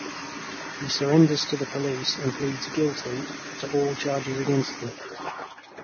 He surrenders to the police and pleads guilty to all charges against him.